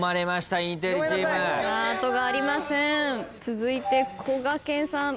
続いてこがけんさん。